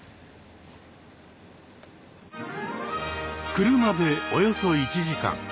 車でおよそ１時間